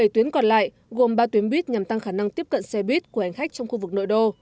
một mươi tuyến còn lại gồm ba tuyến buýt nhằm tăng khả năng tiếp cận xe buýt của hành khách trong khu vực nội đô